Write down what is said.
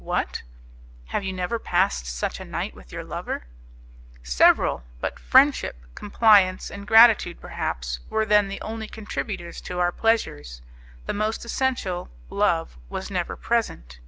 "What! Have you never passed such a night with your lover?" "Several; but friendship, compliance, and gratitude, perhaps, were then the only contributors to our pleasures; the most essential love was never present.